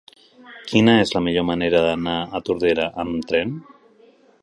Quina és la millor manera d'anar a Tordera amb tren?